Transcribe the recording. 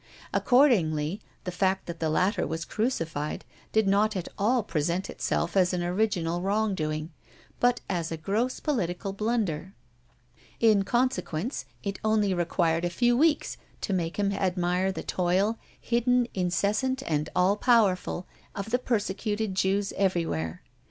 Accordingly, the fact that the latter was crucified did not at all present itself as an original wrongdoing but as a gross, political blunder. In consequence it only required a few weeks to make him admire the toil, hidden, incessant, and all powerful, of the persecuted Jews everywhere.